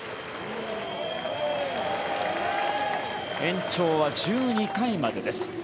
延長は１２回までです。